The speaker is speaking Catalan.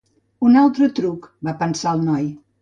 Un altre truc, va pensar el noi.